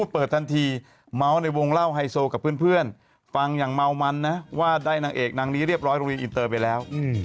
เปิดทันทีเมาส์ในวงเล่าไฮโซกับเพื่อนฟังอย่างเมามันนะว่าได้นางเอกนางนี้เรียบร้อยโรงเรียนอินเตอร์ไปแล้ว